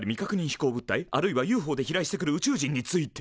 あるいはＵＦＯで飛来してくる宇宙人について？